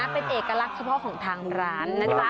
เป็นเอกลักษณ์กระเพาะค่องทางร้าน